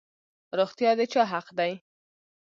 روغتیا د چا حق دی؟